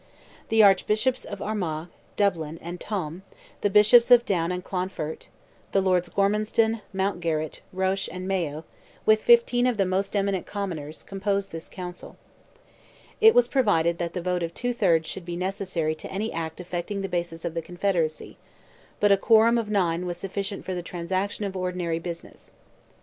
The Archbishops of Armagh, Dublin, and Tuam, the Bishops of Down and of Clonfert, the Lords Gormanstown, Mountgarrett, Roche, and Mayo, with fifteen of the most eminent commoners, composed this council. It was provided that the vote of two thirds should be necessary to any act affecting the basis of the Confederacy, but a quorum of nine was sufficient for the transaction of ordinary business.